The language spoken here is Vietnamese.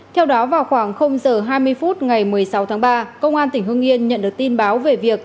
theo đó vào khoảng h hai mươi phút ngày một mươi sáu tháng ba công an tỉnh hương yên nhận được tin báo về việc